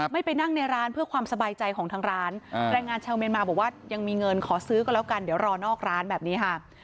ไปนั่งในร้านเพื่อความสบายใจของทางร้านแรงงานชาวเมียนมาบอกว่ายังมีเงินขอซื้อก็แล้วกันเดี๋ยวรอนอกร้านแบบนี้ค่ะ